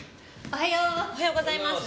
おはようございます。